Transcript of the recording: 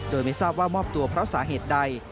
โดยไม่ทราบว่ามอบตัวเพราะสาเหตุใด